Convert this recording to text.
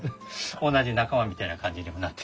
同じ仲間みたいな感じにもなってる。